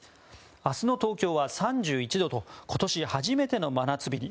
明日の東京は３１度と今年初めての真夏日に。